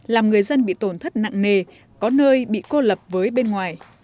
làm người dân bị tổn thất nặng nề có nơi bị cô lập với bên ngoài